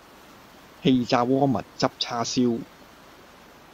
氣炸鍋蜜汁叉燒